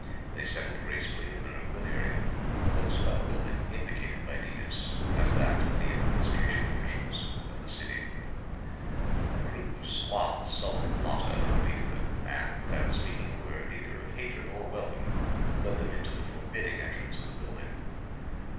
They settled gracefully in an open area close by the building indicated by Detis as that of the administration officials of the city. A group of squat, sullen Llotta awaited them and, without speaking a word either of hatred or welcome, led them into the forbidding entrance of the building.